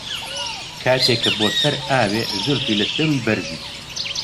کاتێ کە بۆ سەر ئاوێ، زولفی لە سەرووی بەرزی